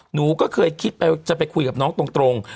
หนูก็เคยคิดจะไปคุยกับน้องตรง